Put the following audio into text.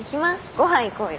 ご飯行こうよ。